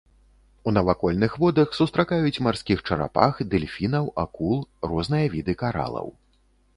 У навакольных водах сустракаюць марскіх чарапах, дэльфінаў, акул, розныя віды каралаў.